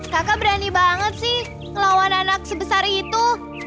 kakak berani banget sih ngelawan anak sebesar itu